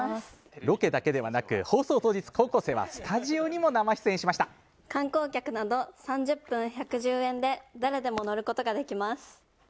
ロケだけではなく放送当日、高校生は観光客など３０分１１０円で誰でも乗ることができます。